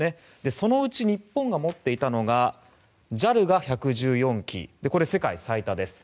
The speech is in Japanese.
そのうち日本が持っていたのがＪＡＬが１１４機これ、世界最多です。